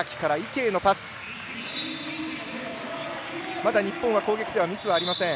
まだ日本は攻撃ではミスはありません。